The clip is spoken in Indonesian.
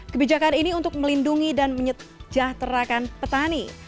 kebijakan ini untuk melindungi dan menyejahterakan petani